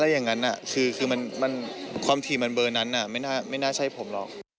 อย่างนั้นคือความถี่มันเบอร์นั้นไม่น่าใช่ผมหรอก